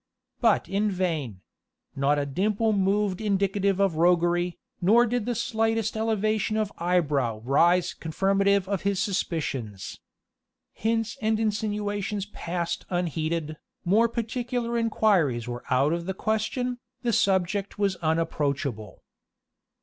But in vain; not a dimple moved indicative of roguery, nor did the slightest elevation of eyebrow rise confirmative of his suspicions. Hints and insinuations passed unheeded more particular inquiries were out of the question the subject was unapproachable.